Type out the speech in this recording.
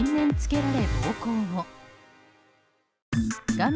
画面